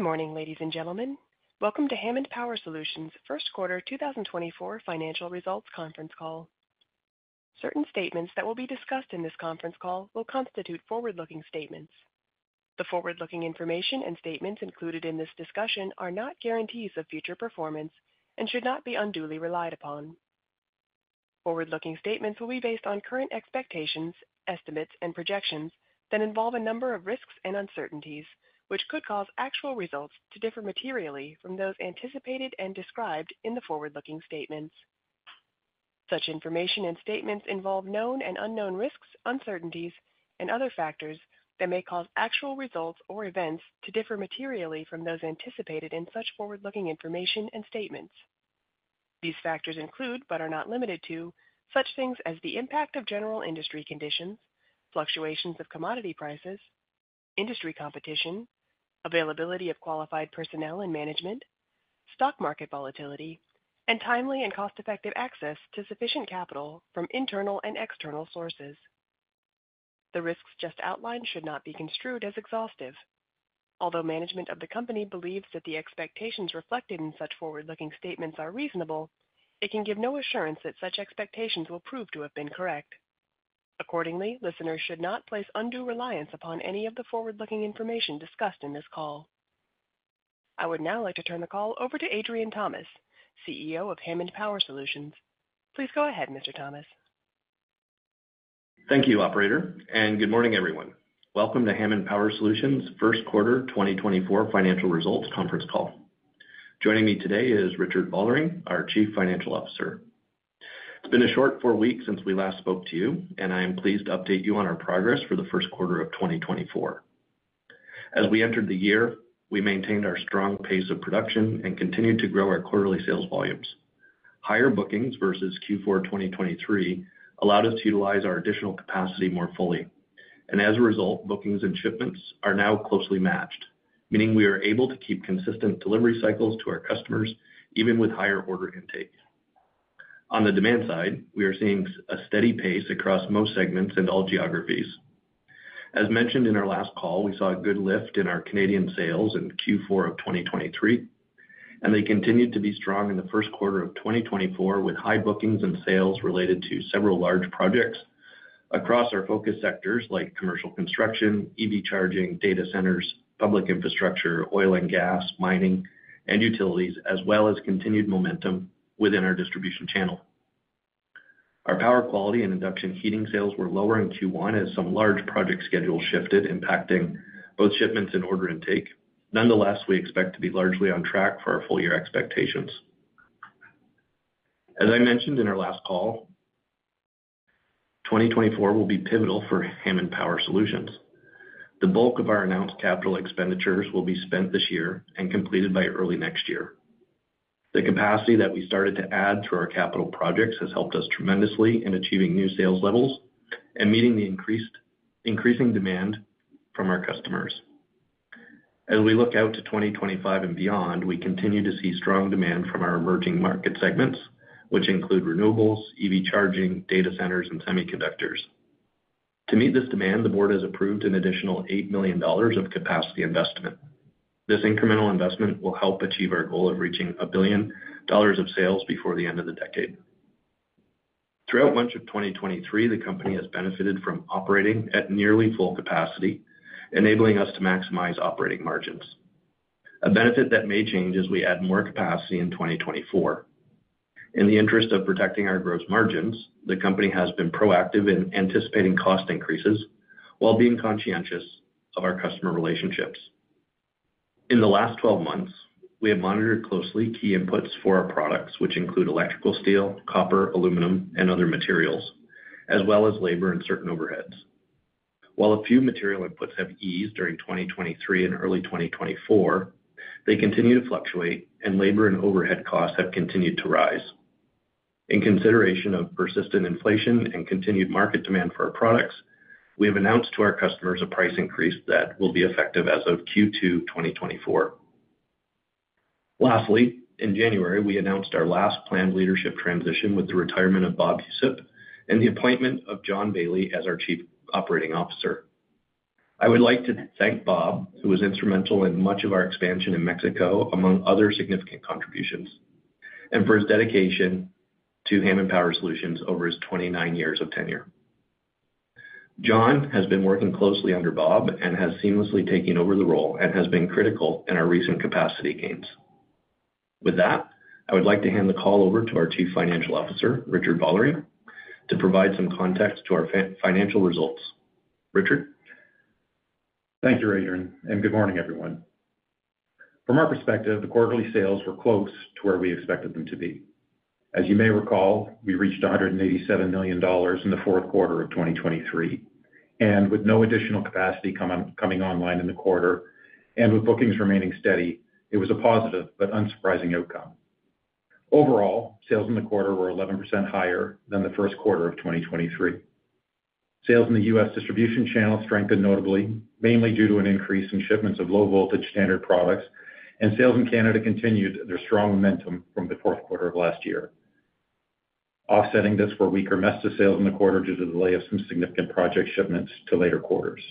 Good morning, ladies and gentlemen. Welcome to Hammond Power Solutions' first quarter 2024 financial results conference call. Certain statements that will be discussed in this conference call will constitute forward-looking statements. The forward-looking information and statements included in this discussion are not guarantees of future performance and should not be unduly relied upon. Forward-looking statements will be based on current expectations, estimates, and projections, then involve a number of risks and uncertainties, which could cause actual results to differ materially from those anticipated and described in the forward-looking statements. Such information and statements involve known and unknown risks, uncertainties, and other factors that may cause actual results or events to differ materially from those anticipated in such forward-looking information and statements. These factors include but are not limited to such things as the impact of general industry conditions, fluctuations of commodity prices, industry competition, availability of qualified personnel and management, stock market volatility, and timely and cost-effective access to sufficient capital from internal and external sources. The risks just outlined should not be construed as exhaustive. Although management of the company believes that the expectations reflected in such forward-looking statements are reasonable, it can give no assurance that such expectations will prove to have been correct. Accordingly, listeners should not place undue reliance upon any of the forward-looking information discussed in this call. I would now like to turn the call over to Adrian Thomas, CEO of Hammond Power Solutions. Please go ahead, Mr. Thomas. Thank you, operator, and good morning, everyone. Welcome to Hammond Power Solutions' first quarter 2024 financial results conference call. Joining me today is Richard Vollering, our Chief Financial Officer. It's been a short four weeks since we last spoke to you, and I am pleased to update you on our progress for the first quarter of 2024. As we entered the year, we maintained our strong pace of production and continued to grow our quarterly sales volumes. Higher bookings versus Q4 2023 allowed us to utilize our additional capacity more fully, and as a result, bookings and shipments are now closely matched, meaning we are able to keep consistent delivery cycles to our customers even with higher order intake. On the demand side, we are seeing a steady pace across most segments and all geographies. As mentioned in our last call, we saw a good lift in our Canadian sales in Q4 of 2023, and they continued to be strong in the first quarter of 2024 with high bookings and sales related to several large projects across our focus sectors like commercial construction, EV charging, data centers, public infrastructure, oil and gas, mining, and utilities, as well as continued momentum within our distribution channel. Our power quality and induction heating sales were lower in Q1 as some large project schedules shifted, impacting both shipments and order intake. Nonetheless, we expect to be largely on track for our full-year expectations. As I mentioned in our last call, 2024 will be pivotal for Hammond Power Solutions. The bulk of our announced capital expenditures will be spent this year and completed by early next year. The capacity that we started to add through our capital projects has helped us tremendously in achieving new sales levels and meeting the increasing demand from our customers. As we look out to 2025 and beyond, we continue to see strong demand from our emerging market segments, which include renewables, EV charging, data centers, and semiconductors. To meet this demand, the board has approved an additional 8 million dollars of capacity investment. This incremental investment will help achieve our goal of reaching 1 billion dollars of sales before the end of the decade. Throughout much of 2023, the company has benefited from operating at nearly full capacity, enabling us to maximize operating margins. A benefit that may change as we add more capacity in 2024. In the interest of protecting our gross margins, the company has been proactive in anticipating cost increases while being conscientious of our customer relationships. In the last 12 months, we have monitored closely key inputs for our products, which include electrical steel, copper, aluminum, and other materials, as well as labor and certain overheads. While a few material inputs have eased during 2023 and early 2024, they continue to fluctuate, and labor and overhead costs have continued to rise. In consideration of persistent inflation and continued market demand for our products, we have announced to our customers a price increase that will be effective as of Q2 2024. Lastly, in January, we announced our last planned leadership transition with the retirement of Bob Yusyp and the appointment of John Bailey as our Chief Operating Officer. I would like to thank Bob, who was instrumental in much of our expansion in Mexico, among other significant contributions, and for his dedication to Hammond Power Solutions over his 29 years of tenure. John has been working closely under Bob and has seamlessly taken over the role and has been critical in our recent capacity gains. With that, I would like to hand the call over to our Chief Financial Officer, Richard Vollering, to provide some context to our financial results. Richard? Thank you, Adrian, and good morning, everyone. From our perspective, the quarterly sales were close to where we expected them to be. As you may recall, we reached 187 million dollars in the fourth quarter of 2023, and with no additional capacity coming online in the quarter and with bookings remaining steady, it was a positive but unsurprising outcome. Overall, sales in the quarter were 11% higher than the first quarter of 2023. Sales in the U.S. distribution channel strengthened notably, mainly due to an increase in shipments of low-voltage standard products, and sales in Canada continued their strong momentum from the fourth quarter of last year, offsetting this for weaker Mesta sales in the quarter due to the delay of some significant project shipments to later quarters.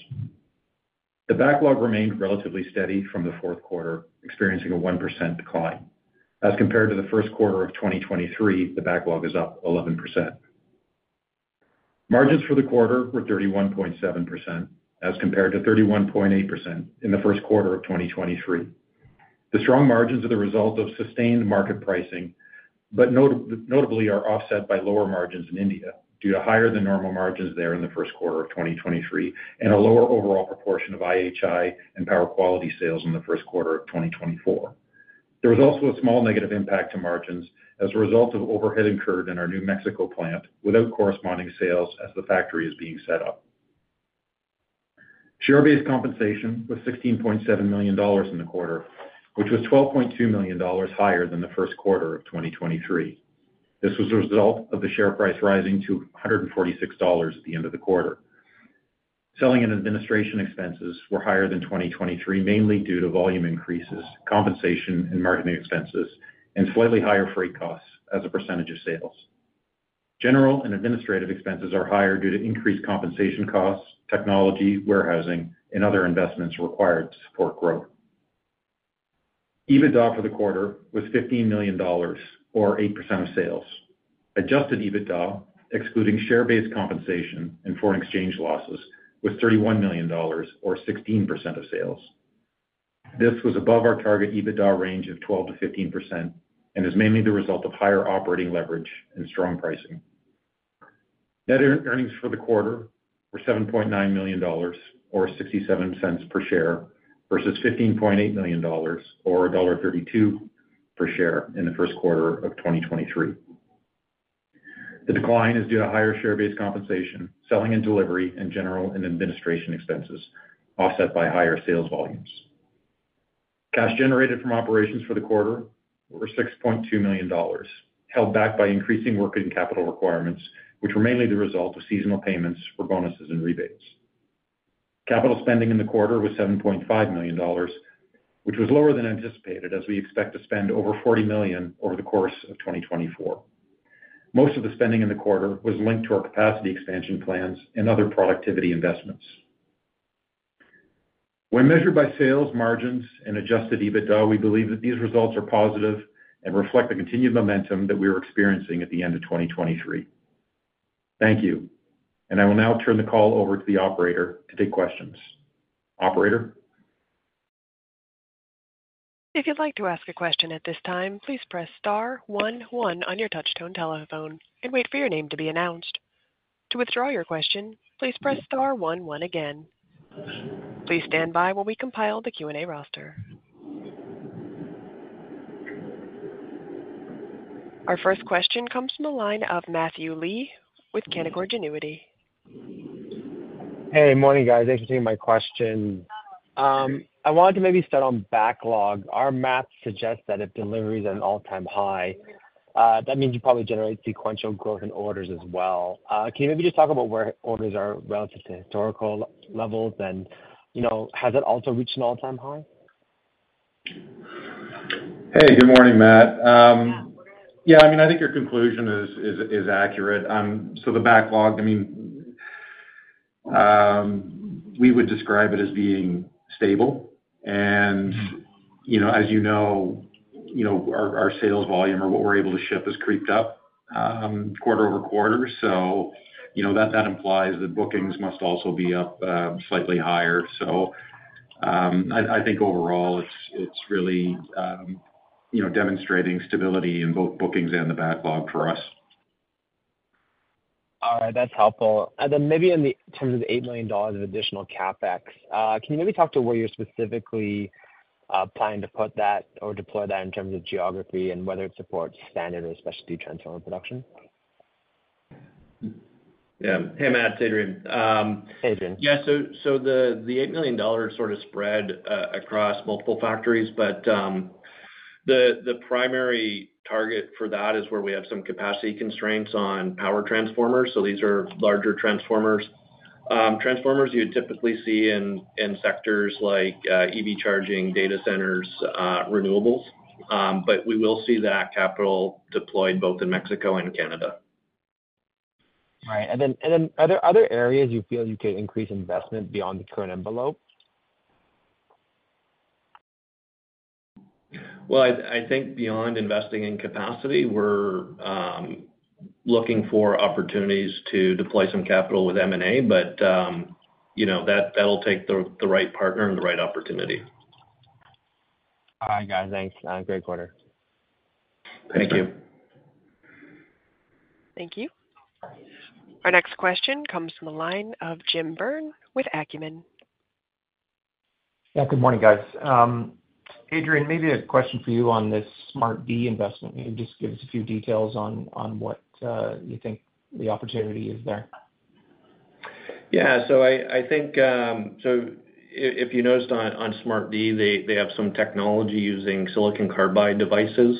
The backlog remained relatively steady from the fourth quarter, experiencing a 1% decline. As compared to the first quarter of 2023, the backlog is up 11%. Margins for the quarter were 31.7% as compared to 31.8% in the first quarter of 2023. The strong margins are the result of sustained market pricing, but notably are offset by lower margins in India due to higher than normal margins there in the first quarter of 2023 and a lower overall proportion of induction heating inverters and power quality sales in the first quarter of 2024. There was also a small negative impact to margins as a result of overhead incurred in our new Mexico plant without corresponding sales as the factory is being set up. Share-based compensation was 16.7 million dollars in the quarter, which was 12.2 million dollars higher than the first quarter of 2023. This was the result of the share price rising to 146 dollars at the end of the quarter. Selling and administration expenses were higher than 2023, mainly due to volume increases, compensation and marketing expenses, and slightly higher freight costs as a percentage of sales. General and administrative expenses are higher due to increased compensation costs, technology, warehousing, and other investments required to support growth. EBITDA for the quarter was 15 million dollars or 8% of sales. Adjusted EBITDA, excluding share-based compensation and foreign exchange losses, was 31 million dollars or 16% of sales. This was above our target EBITDA range of 12%-15% and is mainly the result of higher operating leverage and strong pricing. Net earnings for the quarter were 7.9 million dollars or 0.67 per share versus 15.8 million dollars or dollar 1.32 per share in the first quarter of 2023. The decline is due to higher share-based compensation, selling and delivery, and general and administration expenses offset by higher sales volumes. Cash generated from operations for the quarter were 6.2 million dollars, held back by increasing working capital requirements, which were mainly the result of seasonal payments for bonuses and rebates. Capital spending in the quarter was 7.5 million dollars, which was lower than anticipated as we expect to spend over 40 million over the course of 2024. Most of the spending in the quarter was linked to our capacity expansion plans and other productivity investments. When measured by sales, margins, and adjusted EBITDA, we believe that these results are positive and reflect the continued momentum that we were experiencing at the end of 2023. Thank you, and I will now turn the call over to the operator to take questions. Operator? If you'd like to ask a question at this time, please press star one one on your touch-tone telephone and wait for your name to be announced. To withdraw your question, please press star one one again. Please stand by while we compile the Q&A roster. Our first question comes from the line of Matthew Lee with Canaccord Genuity. Hey, morning, guys. Thanks for taking my question. I wanted to maybe start on backlog. Our math suggests that if delivery is at an all-time high, that means you probably generate sequential growth in orders as well. Can you maybe just talk about where orders are relative to historical levels, and has it also reached an all-time high? Hey, good morning, Matt. Yeah, I mean, I think your conclusion is accurate. So the backlog, I mean, we would describe it as being stable. And as you know, our sales volume or what we're able to ship has creeped up quarter-over-quarter. So that implies that bookings must also be up slightly higher. So I think overall, it's really demonstrating stability in both bookings and the backlog for us. All right. That's helpful. Then maybe in terms of the 8 million dollars of additional CapEx, can you maybe talk to where you're specifically planning to put that or deploy that in terms of geography and whether it supports standard or specialty transformer production? Yeah. Hey, Matt, Adrian. Adrian. Yeah. So the 8 million dollars sort of spread across multiple factories, but the primary target for that is where we have some capacity constraints on power transformers. So these are larger transformers. Transformers you would typically see in sectors like EV charging, data centers, renewables. But we will see that capital deployed both in Mexico and Canada. Right. And then are there other areas you feel you could increase investment beyond the current envelope? Well, I think beyond investing in capacity, we're looking for opportunities to deploy some capital with M&A, but that'll take the right partner and the right opportunity. All right, guys. Thanks. Have a great quarter. Thank you. Thank you. Our next question comes from the line of Jim Byrne with Acumen. Yeah, good morning, guys. Adrian, maybe a question for you on this SmartD investment. Maybe just give us a few details on what you think the opportunity is there. Yeah. So I think so if you noticed on SmartD, they have some technology using silicon carbide devices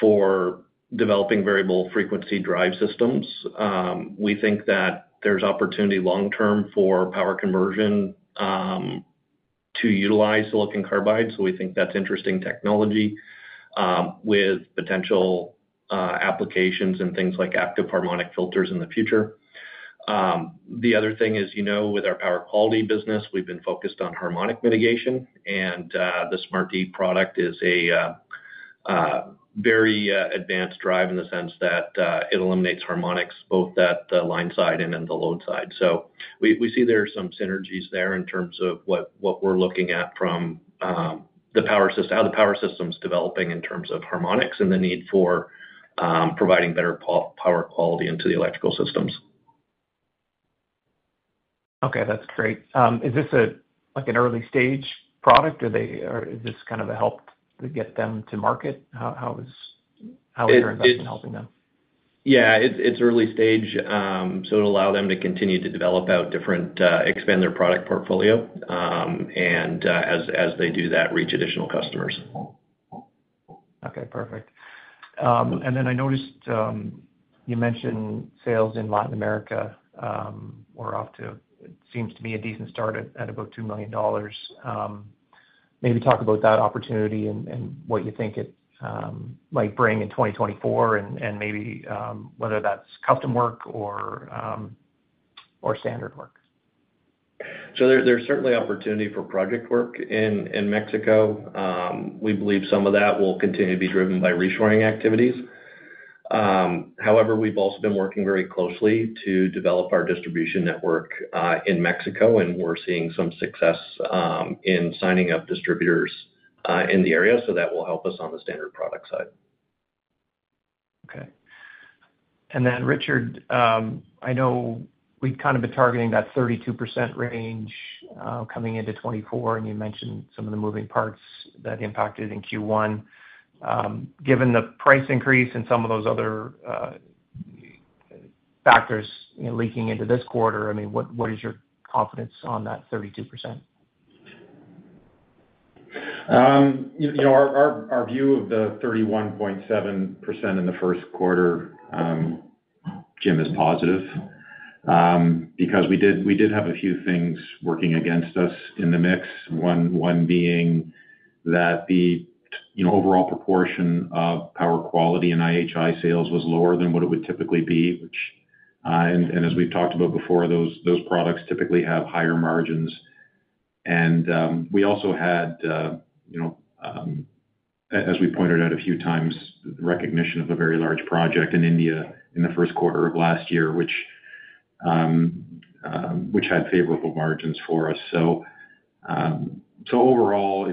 for developing variable frequency drive systems. We think that there's opportunity long-term for power conversion to utilize silicon carbide. So we think that's interesting technology with potential applications in things like active harmonic filters in the future. The other thing is, with our power quality business, we've been focused on harmonic mitigation, and the SmartD product is a very advanced drive in the sense that it eliminates harmonics, both at the line side and in the load side. So we see there are some synergies there in terms of what we're looking at from the power system, how the power system's developing in terms of harmonics and the need for providing better power quality into the electrical systems. Okay. That's great. Is this an early-stage product, or is this kind of a help to get them to market? How is your investment helping them? Yeah. It's early-stage. It'll allow them to continue to develop out different expand their product portfolio. And as they do that, reach additional customers. Okay. Perfect. And then I noticed you mentioned sales in Latin America were off to, it seems to me, a decent start at about 2 million dollars. Maybe talk about that opportunity and what you think it might bring in 2024 and maybe whether that's custom work or standard work. So there's certainly opportunity for project work in Mexico. We believe some of that will continue to be driven by reshoring activities. However, we've also been working very closely to develop our distribution network in Mexico, and we're seeing some success in signing up distributors in the area. So that will help us on the standard product side. Okay. And then, Richard, I know we've kind of been targeting that 32% range coming into 2024, and you mentioned some of the moving parts that impacted in Q1. Given the price increase and some of those other factors leaking into this quarter, I mean, what is your confidence on that 32%? Our view of the 31.7% in the first quarter, Jim, is positive because we did have a few things working against us in the mix, one being that the overall proportion of power quality and IHI sales was lower than what it would typically be, which and as we've talked about before, those products typically have higher margins. We also had, as we pointed out a few times, the recognition of a very large project in India in the first quarter of last year, which had favorable margins for us. Overall,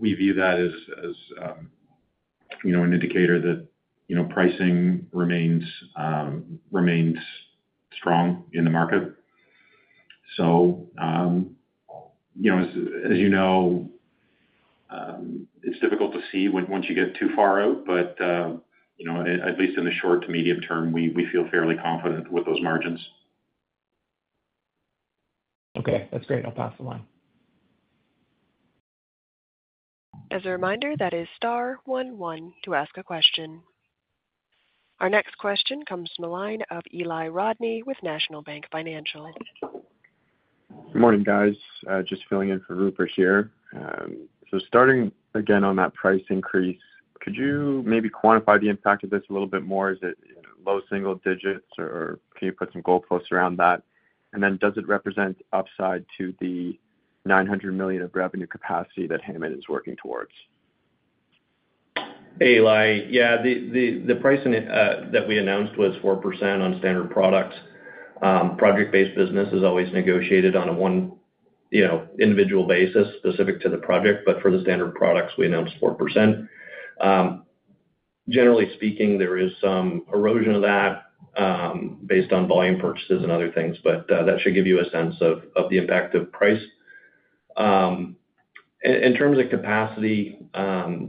we view that as an indicator that pricing remains strong in the market. As you know, it's difficult to see once you get too far out, but at least in the short to medium term, we feel fairly confident with those margins. Okay. That's great. I'll pass the line. As a reminder, that is star one one to ask a question. Our next question comes from the line of Eli Rodney with National Bank Financial. Good morning, guys. Just filling in for Rupert here. So starting again on that price increase, could you maybe quantify the impact of this a little bit more? Is it low single digits, or can you put some goalposts around that? And then does it represent upside to the 900 million of revenue capacity that Hammond is working towards? Hey, Eli. Yeah. The pricing that we announced was 4% on standard products. Project-based business is always negotiated on a one individual basis specific to the project, but for the standard products, we announced 4%. Generally speaking, there is some erosion of that based on volume purchases and other things, but that should give you a sense of the impact of price. In terms of capacity, I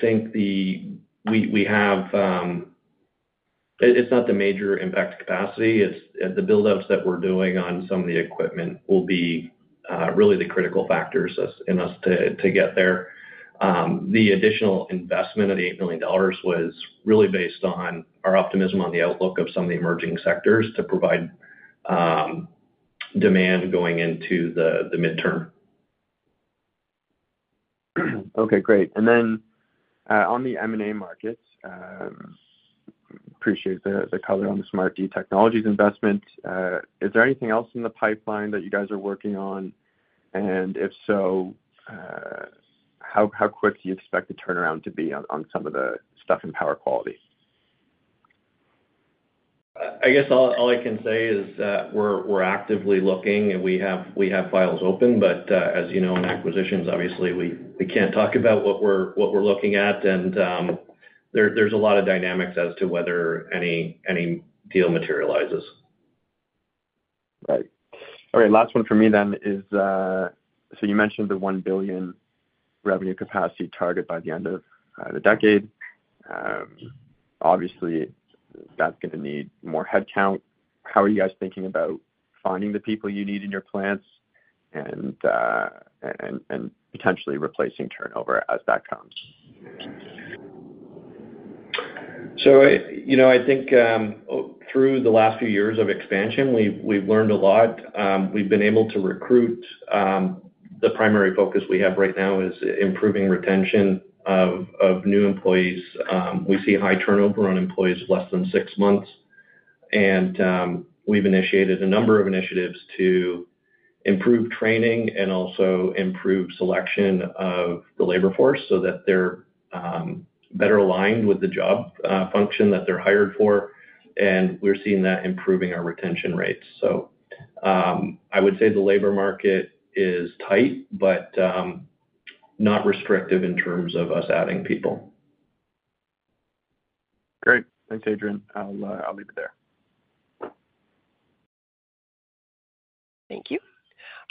think we have, it's not the major impact, capacity. The buildouts that we're doing on some of the equipment will be really the critical factors in us to get there. The additional investment of 8 million dollars was really based on our optimism on the outlook of some of the emerging sectors to provide demand going into the midterm. Okay. Great. And then on the M&A markets, appreciate the color on the SmartD Technologies investment. Is there anything else in the pipeline that you guys are working on? And if so, how quick do you expect the turnaround to be on some of the stuff in power quality? I guess all I can say is that we're actively looking, and we have files open. But as you know, in acquisitions, obviously, we can't talk about what we're looking at. And there's a lot of dynamics as to whether any deal materializes. Right. All right. Last one for me then is so you mentioned the 1 billion revenue capacity target by the end of the decade. Obviously, that's going to need more headcount. How are you guys thinking about finding the people you need in your plants and potentially replacing turnover as that comes? So I think through the last few years of expansion, we've learned a lot. We've been able to recruit. The primary focus we have right now is improving retention of new employees. We see high turnover on employees of less than six months. We've initiated a number of initiatives to improve training and also improve selection of the labor force so that they're better aligned with the job function that they're hired for. We're seeing that improving our retention rates. So I would say the labor market is tight but not restrictive in terms of us adding people. Great. Thanks, Adrian. I'll leave it there. Thank you.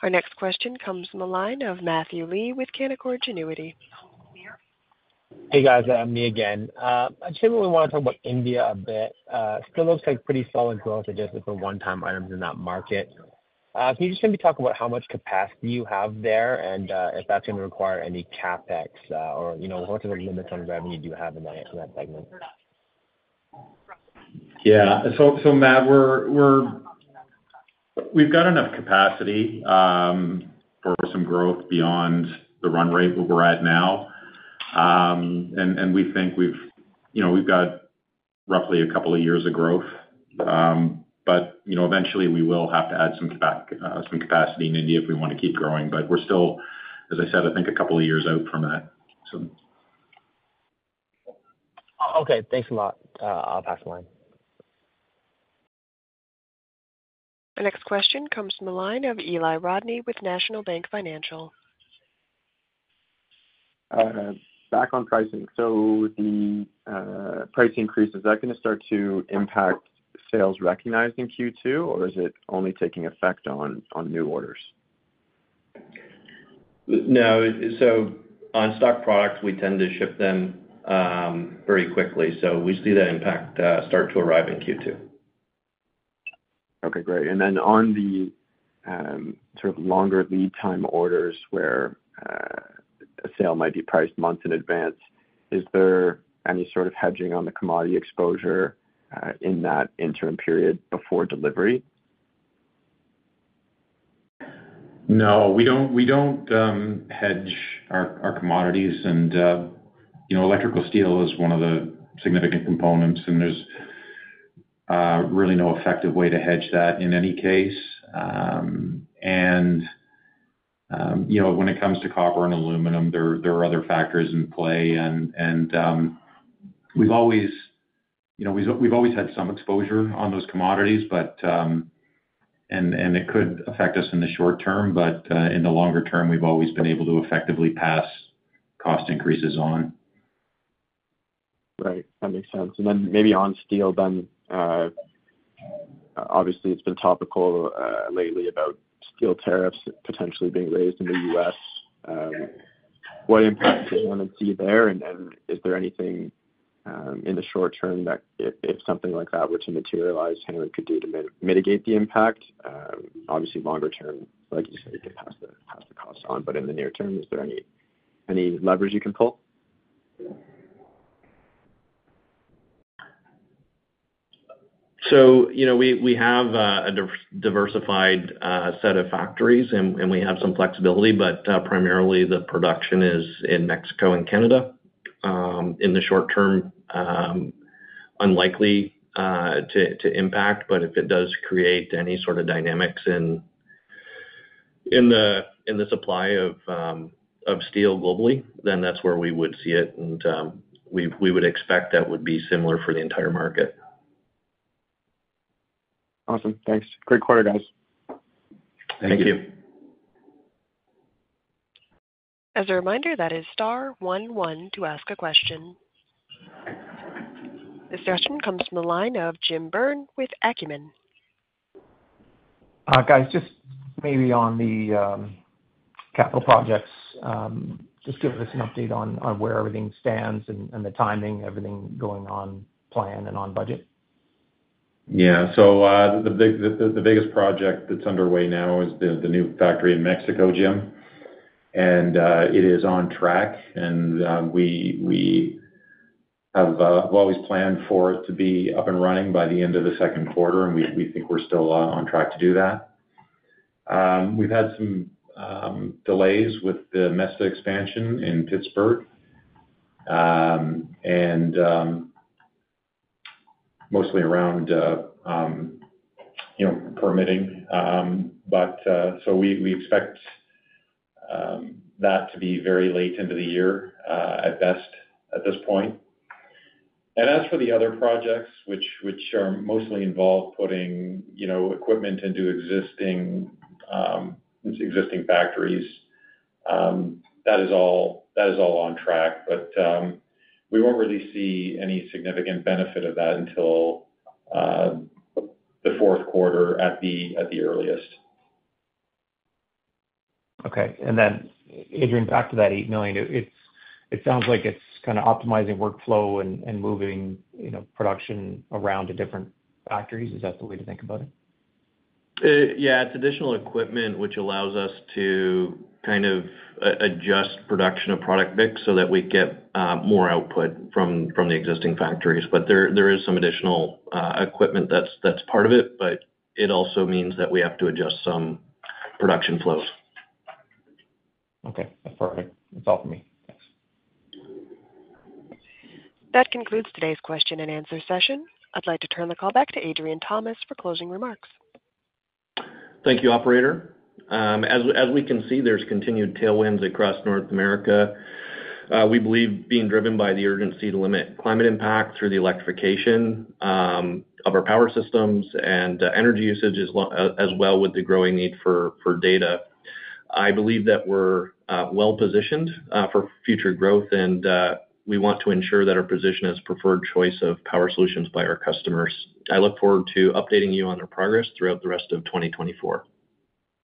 Our next question comes from the line of Matthew Lee with Canaccord Genuity. Hey, guys. Me again. I'd say we want to talk about India a bit. Still looks like pretty solid growth adjusted for one-time items in that market. Can you just maybe talk about how much capacity you have there and if that's going to require any CapEx or what sort of limits on revenue do you have in that segment? Yeah. So, Matt, we've got enough capacity for some growth beyond the run rate where we're at now. And we think we've got roughly a couple of years of growth. But eventually, we will have to add some capacity in India if we want to keep growing. But we're still, as I said, I think a couple of years out from that, so. Okay. Thanks a lot. I'll pass the line. Our next question comes from the line of Eli Rodney with National Bank Financial. Back on pricing. So the price increase, is that going to start to impact sales recognized in Q2, or is it only taking effect on new orders? No. So on stock products, we tend to ship them very quickly. So we see that impact start to arrive in Q2. Okay. Great. On the sort of longer lead-time orders where a sale might be priced months in advance, is there any sort of hedging on the commodity exposure in that interim period before delivery? No. We don't hedge our commodities. Electrical steel is one of the significant components. There's really no effective way to hedge that in any case. When it comes to copper and aluminum, there are other factors in play. We've always had some exposure on those commodities, and it could affect us in the short term. In the longer term, we've always been able to effectively pass cost increases on. Right. That makes sense. Then maybe on steel, then, obviously, it's been topical lately about steel tariffs potentially being raised in the U.S. What impact does Hammond see there? And is there anything in the short term that if something like that were to materialize, Hammond could do to mitigate the impact? Obviously, longer term, like you said, you can pass the cost on. In the near term, is there any leverage you can pull? So we have a diversified set of factories, and we have some flexibility. But primarily, the production is in Mexico and Canada. In the short term, unlikely to impact. But if it does create any sort of dynamics in the supply of steel globally, then that's where we would see it. And we would expect that would be similar for the entire market. Awesome. Thanks. Great quarter, guys. Thank you. Thank you. As a reminder, that is star 11 to ask a question. This question comes from the line of Jim Byrne with Acumen. Guys, just maybe on the capital projects, just give us an update on where everything stands and the timing, everything going on plan and on budget? Yeah. So the biggest project that's underway now is the new factory in Mexico, Jim. It is on track. We've always planned for it to be up and running by the end of the second quarter, and we think we're still on track to do that. We've had some delays with the Mesta expansion in Pittsburgh and mostly around permitting. We expect that to be very late into the year at best at this point. As for the other projects, which are mostly involved putting equipment into existing factories, that is all on track. We won't really see any significant benefit of that until the fourth quarter at the earliest. Okay. And then, Adrian, back to that 8 million. It sounds like it's kind of optimizing workflow and moving production around to different factories. Is that the way to think about it? Yeah. It's additional equipment which allows us to kind of adjust production of product mix so that we get more output from the existing factories. But there is some additional equipment that's part of it. But it also means that we have to adjust some production flows. Okay. That's perfect. That's all from me. Thanks. That concludes today's question and answer session. I'd like to turn the call back to Adrian Thomas for closing remarks. Thank you, operator. As we can see, there's continued tailwinds across North America. We believe being driven by the urgency to limit climate impact through the electrification of our power systems and energy usage as well with the growing need for data, I believe that we're well-positioned for future growth. We want to ensure that our position is a preferred choice of power solutions by our customers. I look forward to updating you on their progress throughout the rest of 2024.